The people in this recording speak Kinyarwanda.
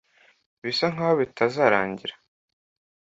bisa nkaho bitazarangira